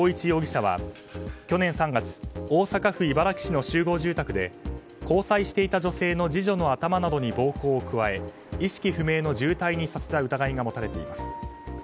容疑者は去年３月大阪府茨木市の集合住宅で交際していた女性の次女の頭に暴行などを加え意識不明の重体にさせた疑いが持たれています。